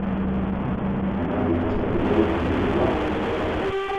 Horregatik baztertuko duk liburu bat?